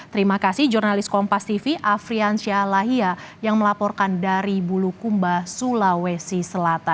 terima kasih jurnalis kompas tv afriansyah lahia yang melaporkan dari bulukumba sulawesi selatan